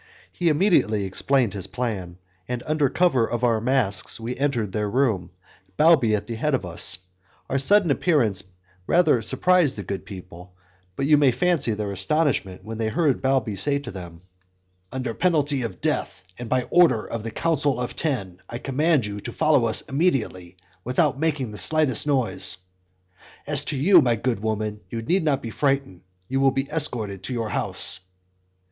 He immediately explained his plan, and under cover of our masks we entered their room, Balbi at the head of us. Our sudden appearance rather surprised the good people, but you may fancy their astonishment when they heard Balbi say to them: "Under penalty of death, and by order of the Council of Ten, I command you to follow us immediately, without making the slightest noise; as to you, my good woman, you need not be frightened, you will be escorted to your house."